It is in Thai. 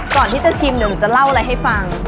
ก่อนที่จะชิมเดี๋ยวหนูจะเล่าอะไรให้ฟัง